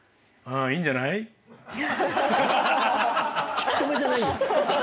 引き留めじゃないんだ。